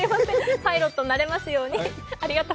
パイロットになれますように。